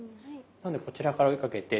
なのでこちらから追いかけて。